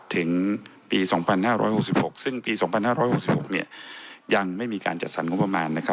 ถึงปี๒๕๖๖ซึ่งปี๒๕๖๖เนี่ยยังไม่มีการจัดสรรงบประมาณนะครับ